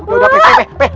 udah peh peh